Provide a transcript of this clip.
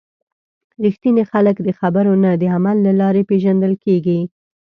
رښتیني خلک د خبرو نه، د عمل له لارې پیژندل کېږي.